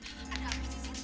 ada apa sih sin